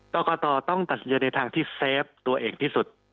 กรกตต้องตัดสินใจในทางที่เซฟตัวเองที่สุด